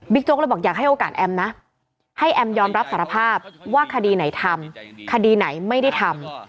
โจ๊กเลยบอกอยากให้โอกาสแอมนะให้แอมยอมรับสารภาพว่าคดีไหนทำคดีไหนไม่ได้ทำ